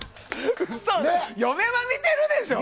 嫁は見てるでしょ！